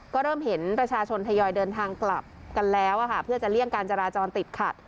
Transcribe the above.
ก็เริ่มเห็นประชาชนทยอยเดินทางกลับกันแล้วเพื่อจะเลี่ยงการจราจรติดขัด